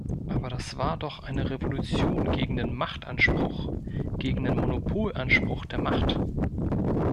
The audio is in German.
Aber das war doch eine Revolution gegen den Machtanspruch, gegen den Monopolanspruch der Macht.